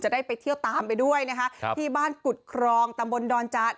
ได้ไปเที่ยวตามไปด้วยนะคะครับที่บ้านกุฎครองตำบลดอนจาน